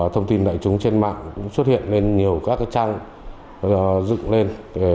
thông tin đại chúng trên mạng xuất hiện nên nhiều các trang dựng lên